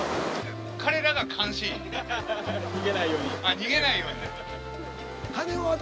逃げないように。